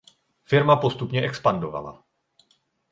Firma postupně expandovala.